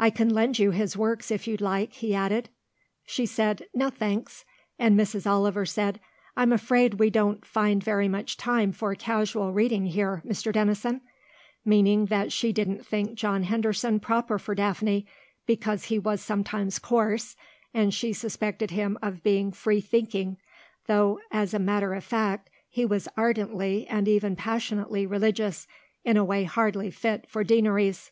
"I can lend you his works, if you'd like," he added. She said, "No, thanks," and Mrs. Oliver said, "I'm afraid we don't find very much time for casual reading here, Mr. Denison," meaning that she didn't think John Henderson proper for Daphne, because he was sometimes coarse, and she suspected him of being free thinking, though as a matter of fact he was ardently and even passionately religious, in a way hardly fit for deaneries.